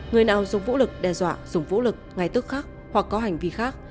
người nào dùng vũ lực đe dọa dùng vũ lực ngay tức khắc hoặc có hành vi khác